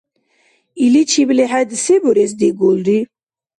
Иличибли хӀед се бурес дигулри?